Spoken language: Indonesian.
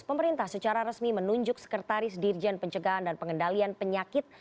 pemerintah secara resmi menunjuk sekretaris dirjen pencegahan dan pengendalian penyakit